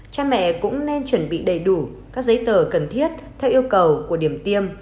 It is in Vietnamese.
cha mẹ cũng nên chuẩn bị đầy đủ các giấy tờ cần thiết theo yêu cầu của điểm tiêm